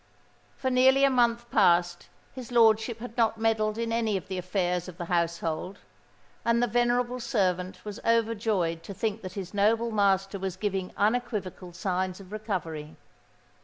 For nearly a month past his lordship had not meddled in any of the affairs of the household; and the venerable servant was overjoyed to think that his noble master was giving unequivocal signs of recovery.